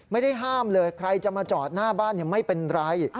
ไม่ได้ห้ามเลยใครจะมาจอดหน้าบ้านไม่เป็นไร